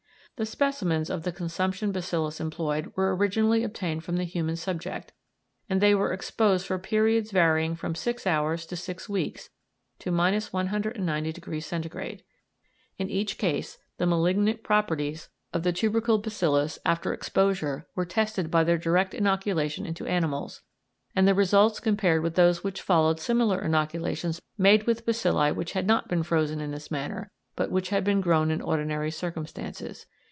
The specimens of the consumption bacillus employed were originally obtained from the human subject, and they were exposed for periods varying from six hours to six weeks to 190° C. In each case the malignant properties of the tubercle bacillus after exposure were tested by their direct inoculation into animals, and the results compared with those which followed similar inoculations made with bacilli which had not been frozen in this manner, but had been grown in ordinary circumstances.